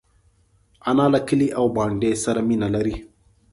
انا له کلي او بانډې سره مینه لري